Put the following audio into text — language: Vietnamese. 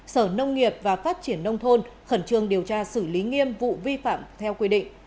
sở nông nghiệp và phát triển nông thôn khẩn trương điều tra xử lý nghiêm vụ vi phạm theo quy định